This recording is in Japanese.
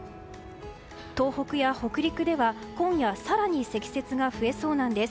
東北や北陸では今夜更に積雪が増えそうなんです。